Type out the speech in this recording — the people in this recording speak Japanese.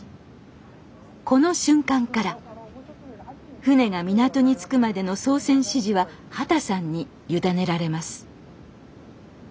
この瞬間から船が港に着くまでの操船指示は畑さんに委ねられます